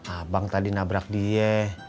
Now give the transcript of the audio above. abang tadi nabrak dia